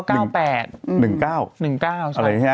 ๑๙ใช่